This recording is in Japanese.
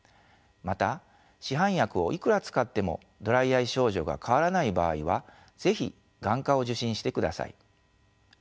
また市販薬をいくら使ってもドライアイ症状が変わらない場合は是非眼科を受診してください。